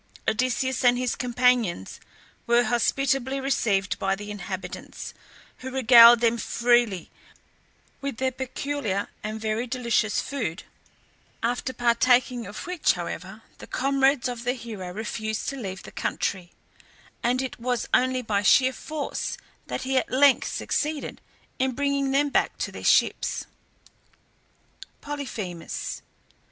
Odysseus and his companions were hospitably received by the inhabitants, who regaled them freely with their peculiar and very delicious food; after partaking of which, however, the comrades of the hero refused to leave the country, and it was only by sheer force that he at length succeeded in bringing them back to their ships. POLYPHEMUS.